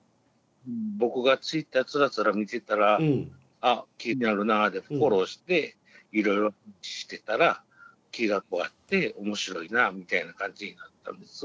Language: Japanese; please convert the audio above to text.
僕がＴｗｉｔｔｅｒつらつら見てたらあ気になるなあでフォローしていろいろしてたら気が合って面白いなみたいな感じになったんです。